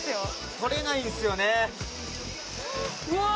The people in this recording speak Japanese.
取れないんすよねわあ